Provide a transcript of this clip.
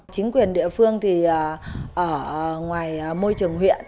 chính quyền địa phương thì ở ngoài môi trường huyện